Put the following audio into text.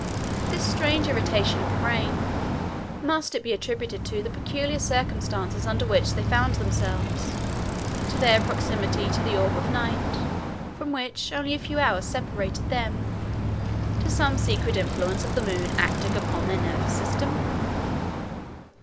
This strange irritation of the brain, must it be attributed to the peculiar circumstances under which they found themselves, to their proximity to the orb of night, from which only a few hours separated them, to some secret influence of the moon acting upon their nervous system?